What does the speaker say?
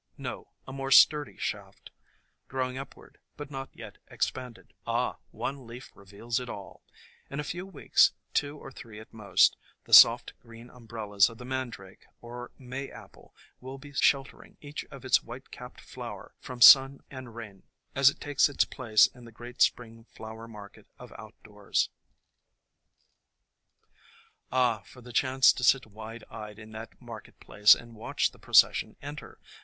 No; a more sturdy shaft, growing upward, but not yet expanded. Ah, one leaf reveals it all! In a few weeks, two or three at most, the soft green umbrellas of the Mandrake or May Apple will be sheltering each its white capped flower from sun and rain, as it takes its place in the great spring flower market of outdoors. 24 THE COMING OF SPRING Ah, for the chance to sit wide eyed in that mar ket place and watch the procession enter!